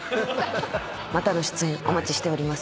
またの出演お待ちしております。